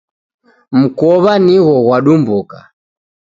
Mkowa nigho ghwadumbuka